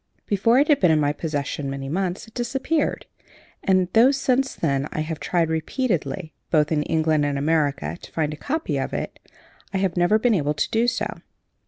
Before it had been in my possession many months, it disappeared, and, though since then I have tried repeatedly, both in England and America, to find a copy of it, I have never been able to do so.